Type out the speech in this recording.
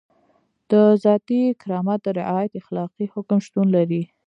د ذاتي کرامت د رعایت اخلاقي حکم شتون لري.